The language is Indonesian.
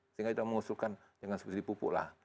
sehingga juga mengusulkan jangan subsidi pupuklah